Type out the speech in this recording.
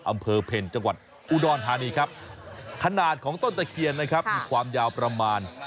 อำเภอเพลย์จังหวัดอุดรธานีครับ